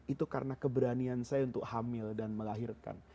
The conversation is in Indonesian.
itu karena keberanian saya untuk hamil dan melahirkan